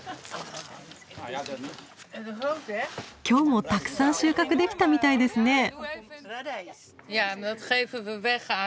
今日もたくさん収穫できたみたいですね。